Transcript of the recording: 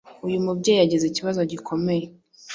uyu mubyeyi yagize ikibazo gikomeye,